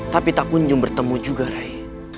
tapi tak kunjung bertemu juga rai